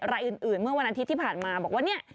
อะไรอื่นเมื่อวันอาทิตย์ที่ผ่านมา